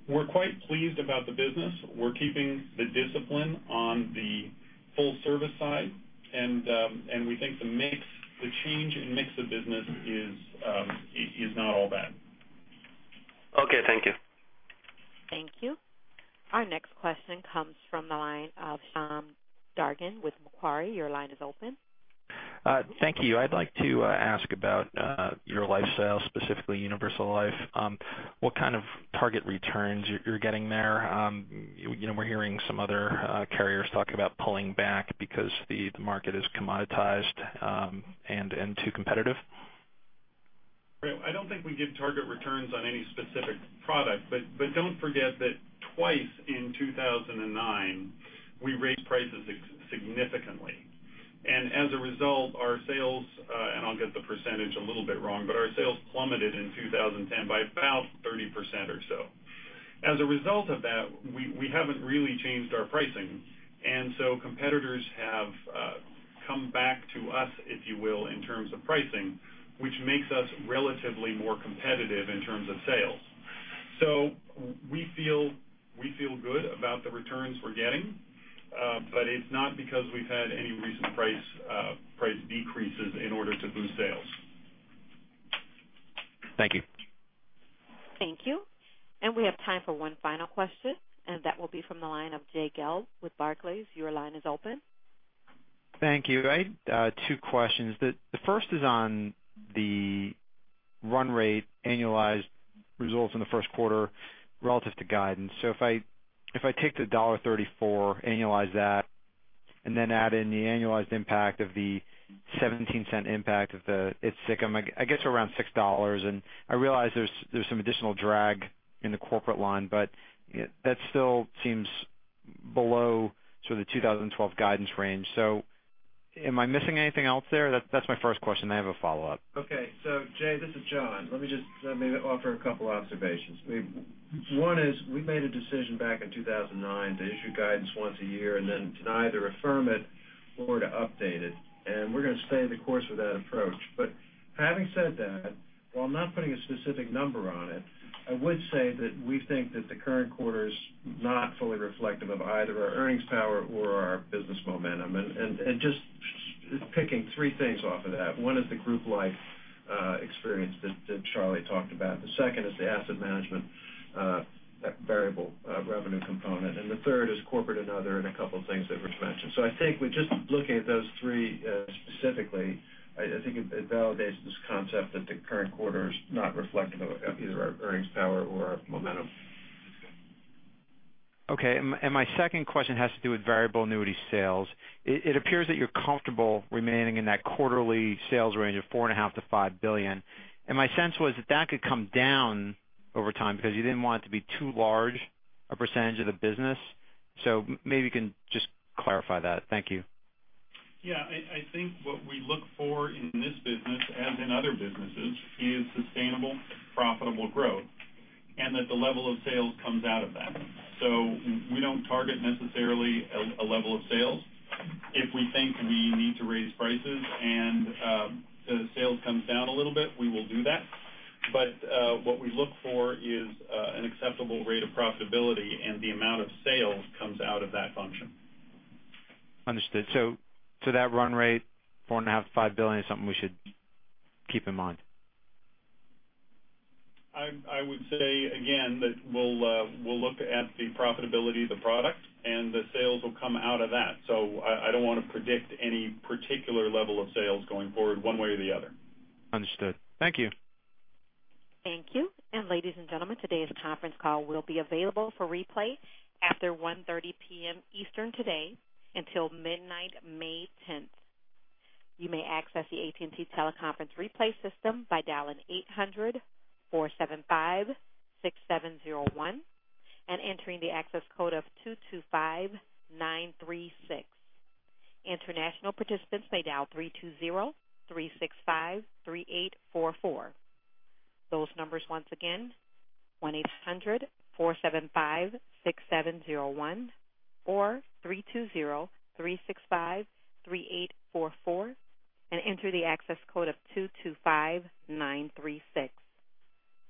S11: We're quite pleased about the business. We're keeping the discipline on the full service side, and we think the change in mix of business is not all bad.
S12: Okay, thank you.
S1: Thank you. Our next question comes from the line of Suneet Kamath with Macquarie. Your line is open.
S13: Thank you. I'd like to ask about your life, specifically universal life. What kind of target returns you're getting there? We're hearing some other carriers talk about pulling back because the market is commoditized and too competitive.
S11: Right. I don't think we give target returns on any specific product. Don't forget that twice in 2009, we raised prices significantly. As a result, our sales, and I'll get the percentage a little bit wrong, but our sales plummeted in 2010 by about 30% or so. As a result of that, we haven't really changed our pricing, competitors have come back to us, if you will, in terms of pricing, which makes us relatively more competitive in terms of sales. We feel good about the returns we're getting, but it's not because we've had any recent price decreases in order to boost sales.
S13: Thank you.
S1: Thank you. We have time for one final question, and that will be from the line of Jay Gelb with Barclays. Your line is open.
S14: Thank you. I had two questions. The first is on the run rate annualized results in the first quarter relative to guidance. If I take the $1.34, annualize that, then add in the annualized impact of the $0.17 impact of the ITSICM, I get to around $6. I realize there's some additional drag in the corporate line, but that still seems below sort of the 2012 guidance range. Am I missing anything else there? That's my first question. I have a follow-up.
S3: Okay. Jay, this is John. Let me just maybe offer a couple observations. One is we made a decision back in 2009 to issue guidance once a year and then to either affirm it or to update it. We're going to stay the course with that approach. Having said that, while I'm not putting a specific number on it, I would say that we think that the current quarter is not fully reflective of either our earnings power or our business momentum. Just picking three things off of that. One is the group life experience that Charlie talked about. The second is the asset management variable revenue component, and the third is corporate and other, and a couple of things that Rich mentioned. I think with just looking at those three specifically, I think it validates this concept that the current quarter is not reflective of either our earnings power or our momentum.
S14: Okay. My second question has to do with variable annuity sales. It appears that you're comfortable remaining in that quarterly sales range of $4.5 billion-$5 billion. My sense was that that could come down over time because you didn't want it to be too large a percentage of the business. Maybe you can just clarify that. Thank you.
S3: Yeah. I think what we look for in this business, as in other businesses, is sustainable, profitable growth and that the level of sales comes out of that. We don't target necessarily a level of sales. If we think we need to raise prices and the sales comes down a little bit, we will do that. What we look for is an acceptable rate of profitability and the amount of sales comes out of that function.
S14: Understood. That run rate, $4.5 billion-$5 billion, is something we should keep in mind?
S3: I would say again, that we'll look at the profitability of the product and the sales will come out of that. I don't want to predict any particular level of sales going forward one way or the other.
S14: Understood. Thank you.
S1: Thank you. Ladies and gentlemen, today's conference call will be available for replay after 1:30 P.M. Eastern today until midnight, May 10th. You may access the AT&T teleconference replay system by dialing 800-475-6701 and entering the access code of 225936. International participants may dial 320-365-3844. Those numbers once again, 1-800-475-6701 or 320-365-3844, and enter the access code of 225936.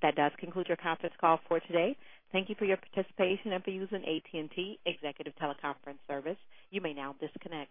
S1: That does conclude your conference call for today. Thank you for your participation and for using AT&T Executive Teleconference Service. You may now disconnect.